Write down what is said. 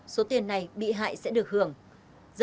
số tiền này bị hại sẽ được hưởng